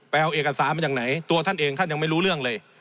เอาเอกสารมาจากไหนตัวท่านเองท่านยังไม่รู้เรื่องเลย